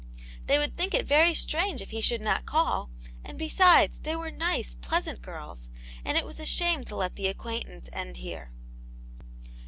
They would think it very strange if he should not call ; and besides, they were nice, pleasant girls, and it was a* shame to let the acquaintance end here.